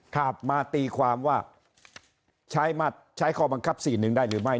ครับมาตีความว่าใช้ข้อบังคับสี่หนึ่งได้หรือไม่